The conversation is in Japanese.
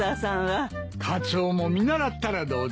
カツオも見習ったらどうだ？